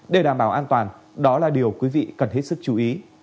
để đảm bảo an toàn đó là điều quý vị cần hết sức chú ý